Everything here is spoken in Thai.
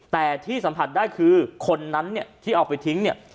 แต่ที่สัมผัสได้คือคนนั้นเนี่ยที่เอาไปทิ้งเนี่ย